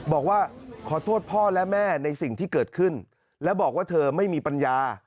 บอกว่าขอโทษพ่อและแม่ในสิ่งที่เกิดขึ้นแล้วบอกว่าเธอไม่มีปัญญา